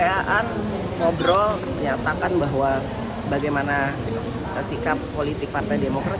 iya kita wa an ngobrol menyatakan bahwa bagaimana sikap politik partai demokrat